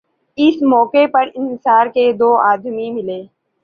اس موقع پر انصار کے دو آدمی ملے